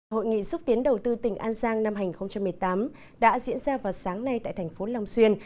hội nghị xúc tiến đầu tư tỉnh an giang năm hai nghìn một mươi tám đã diễn ra vào sáng nay tại thành phố long xuyên